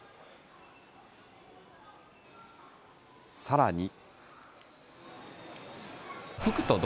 さらに。